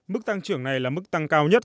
mức tăng trưởng này là mức tăng cao nhất